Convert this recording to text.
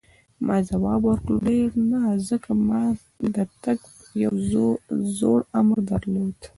ما ځواب ورکړ: ډېر نه، ځکه ما د تګ یو زوړ امر درلود.